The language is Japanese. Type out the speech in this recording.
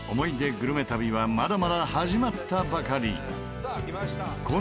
グルメ旅はまだまだ始まったばかり！